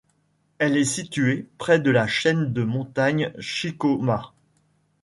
Elle est située près de la chaîne de montagnes Chicauma.